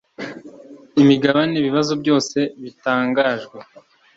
imigabane Ibibazo byose bitangajwe